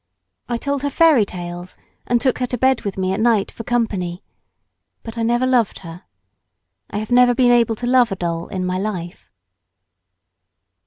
I told her fairy tales and took her to bed with me at night for company, but I never loved her. I have never been able to love a doll in my life.